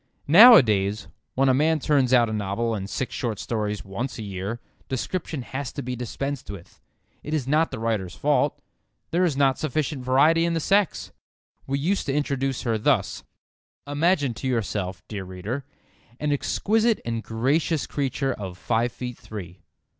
Nowadays, when a man turns out a novel and six short stories once a year, description has to be dispensed with. It is not the writer's fault. There is not sufficient variety in the sex. We used to introduce her thus: "Imagine to yourself, dear reader, an exquisite and gracious creature of five feet three.